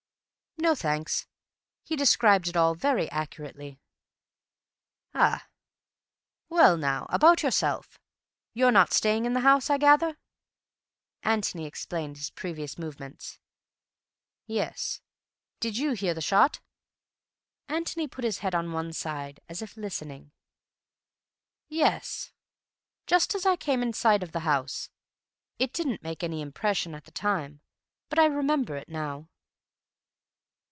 "No, thanks. He described it all very accurately." "Ah! Well now, about yourself. You're not staying in the house, I gather?" Antony explained his previous movements. "Yes. Did you hear the shot?" Antony put his head on one side, as if listening. "Yes. Just as I came in sight of the house. It didn't make any impression at the time, but I remember it now."